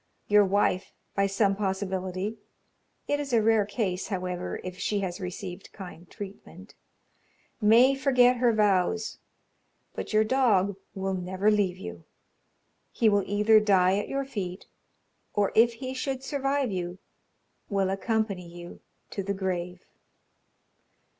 Your wife, by some possibility (it is a rare case, however, if she has received kind treatment) may forget her vows, but your dog will never leave you he will either die at your feet, or if he should survive you, will accompany you to the grave.